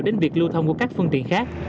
đến việc lưu thông của các phương tiện khác